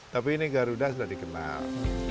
tapi ini garuda sudah dikenal